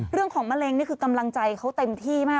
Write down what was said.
เรื่องของมะเร็งนี่คือกำลังใจเขาเต็มที่มาก